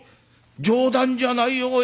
冗談じゃないよおい。